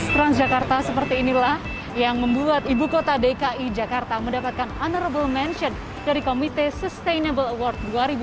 transjakarta seperti inilah yang membuat ibu kota dki jakarta mendapatkan unerable mention dari komite sustainable award dua ribu dua puluh